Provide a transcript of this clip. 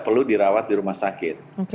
perlu dirawat di rumah sakit